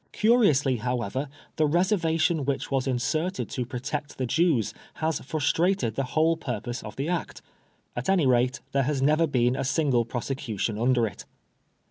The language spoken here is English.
Curiously, however, the reservation which was inserted to protect the Jews has frustrated the whole purpose of the Act ; at any rate, there never has been a single prosecution under it.